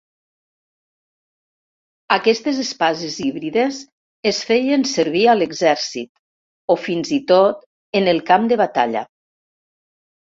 Aquestes espases híbrides es feien servir a l'exèrcit o fins i tot en el camp de batalla.